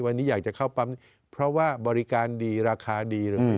วันนี้อยากจะเข้าปั๊มนี้เพราะว่าบริการดีราคาดีเลย